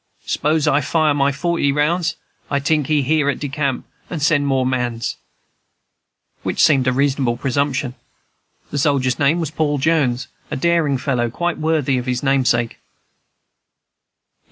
S'pose I fire my forty rounds. I tink he hear at de camp and send more mans," which seemed a reasonable presumption. This soldier's name was Paul Jones, a daring fellow, quite worthy of his namesake.